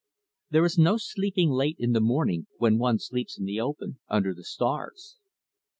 There is no sleeping late in the morning when one sleeps in the open, under the stars.